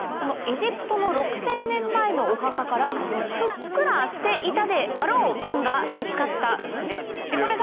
エジプトの６０００年前のお墓からふっくらしていたであろうパンが見つかったんです。